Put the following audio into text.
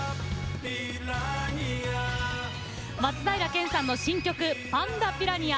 松平健さんの新曲「パンダピラニア」。